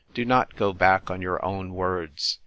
Do not go back on your own words.